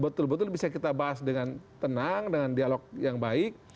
betul betul bisa kita bahas dengan tenang dengan dialog yang baik